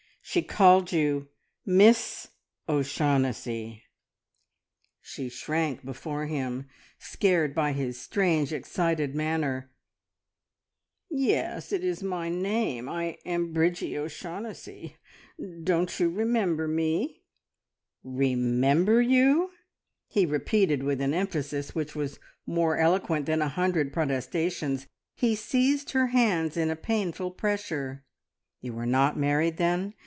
She called you `_Miss O'Shaughnessy_'!" She shrank before him, scared by his strange, excited manner. "Yes, it is my name. I am Bridgie O'Shaughnessy. Don't you remember me?" "Remember you!" he repeated with an emphasis which was more eloquent than a hundred protestations. He seized her hands in a painful pressure. "You are not married, then?